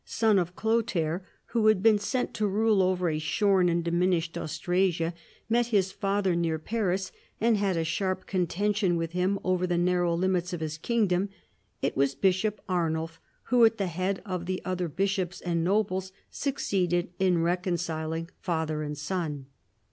son of Chlothair, who had been sent to rule over a shorn and diminished Austrasia, met his father near Paris, and had a sharp contention with him over tlie narrow limits of his kingdom, it was Bishop Arnulf who, at the head of the other bishops and nobles, succeeded in reconciling father and son.